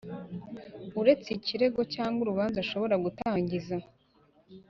Uretse ikirego cyangwa urubanza ashobora gutangiza